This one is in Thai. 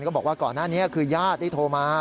ก็บอกว่าก่อนหน้านี้คือยาดที่โทรมา